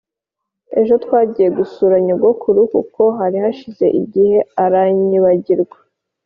Ejo twagiye gusura nyogokuru kuko hari hashize igihe aranyibagirwa